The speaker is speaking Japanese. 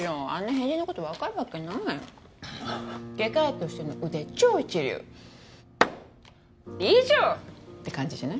変人のこと分かるわけない外科医としての腕超一流「以上」って感じじゃない？